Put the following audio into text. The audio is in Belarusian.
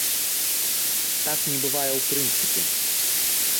Так не бывае ў прынцыпе.